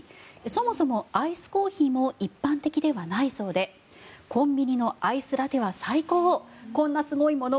そもそもアイスコーヒーも一般的ではないそうでコンビニのアイスラテは最高こんなすごいもの